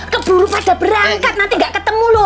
keburu pada berangkat nanti nggak ketemu loh